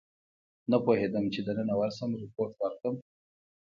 نه پوهېدم چې دننه ورشم ریپورټ ورکړم.